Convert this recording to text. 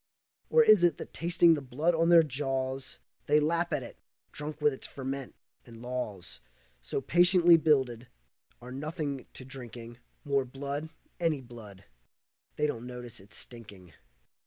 Or is it that tasting the blood on their jaws They lap at it, drunk with its ferment, and laws So patiently builded, are nothing to drinking More blood, any blood. They don't notice its stinking.